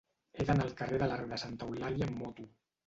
He d'anar al carrer de l'Arc de Santa Eulàlia amb moto.